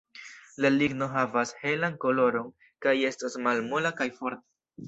La ligno havas helan koloron, kaj estas malmola kaj forta.